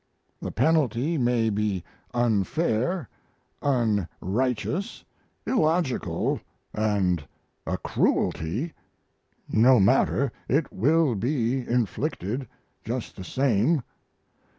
The penalty may be unfair, unrighteous, illogical, and a cruelty; no matter, it will be inflicted just the same.